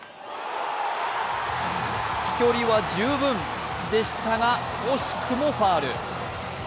飛距離は十分でしたが惜しくもファウル。